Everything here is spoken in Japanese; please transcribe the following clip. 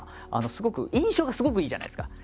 すごく印象がすごくいいじゃないですか。